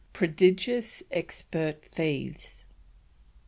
PRODIGIOUS EXPERT THIEVES.